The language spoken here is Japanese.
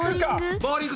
ボウリング。